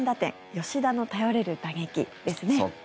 吉田の頼れる打撃ですね。